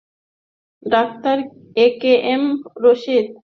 Doctor A K M Rafiq Ahmed বর্তমানে এর মহাপরিচালকের দায়িত্ব পালন করছেন।